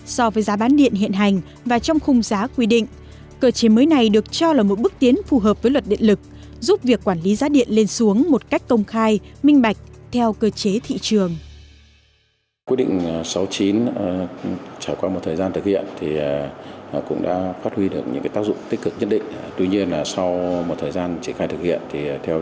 xin chào và hẹn gặp lại trong các bản tin tiếp theo